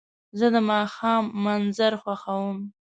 زه د ماښام منظر خوښوم.